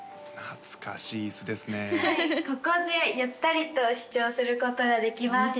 はいここでゆったりと試聴することができます